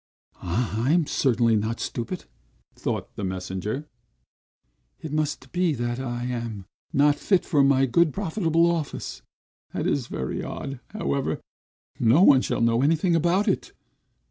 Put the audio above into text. "I certainly am not stupid!" thought the messenger. "It must be, that I am not fit for my good, profitable office! That is very odd; however, no one shall know anything about it."